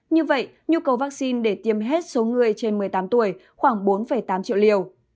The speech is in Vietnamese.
như vậy nhu cầu vaccine để tiêm hết số người trên một mươi tám tuổi khoảng bốn tám triệu liều